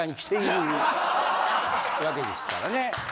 わけですからね。